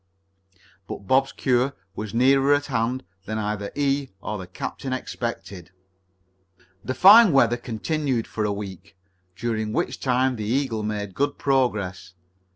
But Bob's cure was nearer at hand than either he or the captain expected. The fine weather continued for a week, during which time the Eagle made good progress.